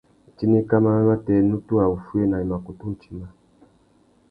Itindikana matê, nutu râ wuffuéna i mà kutu timba.